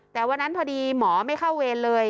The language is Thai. แต่วันนั้นพอดีหมอไม่เข้าเวรเลย